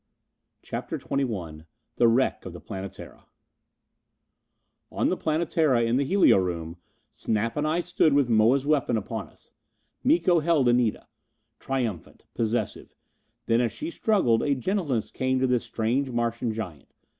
CHAPTER XXI The Wreck of the Planetara On the Planetara, in the helio room, Snap and I stood with Moa's weapon upon us. Miko held Anita. Triumphant. Possessive. Then as she struggled, a gentleness came to this strange Martian giant.